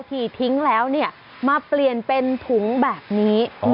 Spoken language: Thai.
ที่ทิ้งแล้วเนี่ยมาเปลี่ยนเป็นถุงแบบนี้